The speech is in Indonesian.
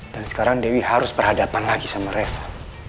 dan sekarang dewi harus berhadapan lagi sama reva